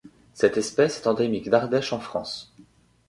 Cette espèce est endémique d'Ardèche en France.